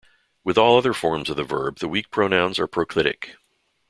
With all other forms of the verb, the weak pronouns are proclitic.